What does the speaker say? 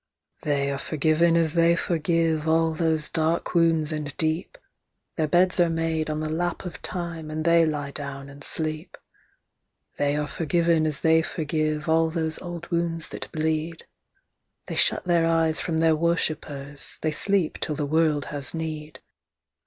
They are forgiven as they forgive all those dark wounds and deep, Their beds are made on the Lap of Time and they lie down and sleep. They are forgiven as they forgive all those old wounds that bleed. They shut their eyes from their worshippers; they sleep till the world has need.